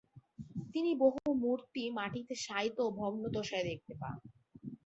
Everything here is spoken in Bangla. তিনি বহু মূর্তি মাটিতে শায়িত ও ভগ্নদশায় দেখতে পান।